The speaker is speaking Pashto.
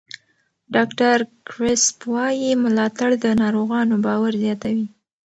ډاکټر کریسپ وایي ملاتړ د ناروغانو باور زیاتوي.